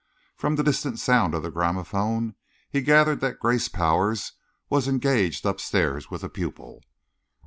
From the distant sound of the gramophone, he gathered that Grace Powers was engaged upstairs with a pupil.